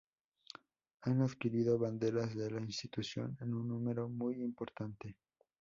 Han adquirido banderas de la institución en un número muy importante.